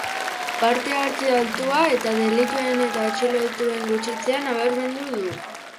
Parte-hartze altua eta delituen eta atxilotuen gutxitzea nabarmendu du.